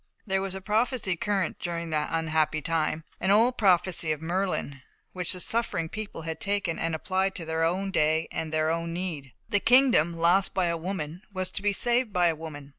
There was a prophecy current during that unhappy time an old prophecy of Merlin which the suffering people had taken and applied to their own day and their own need. "The kingdom, lost by a woman, was to be saved by a woman."